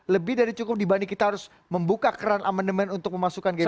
lebih dari cukup dibanding kita harus membuka keran amandemen untuk memasukkan gerindra